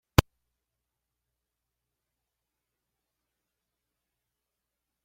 Se trata de un edificio de tres naves con crucero y cúpula.